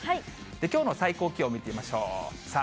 きょうの最高気温見てみましょう。